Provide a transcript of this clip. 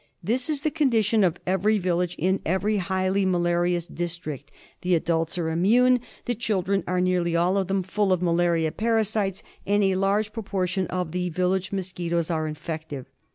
This is the condition of every village in every highly malarious district ; the adults are immune, the children are nearly all of them full of malaria parasites, and a large proportion of the village mosquitoes are infective.